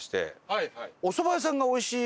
はい。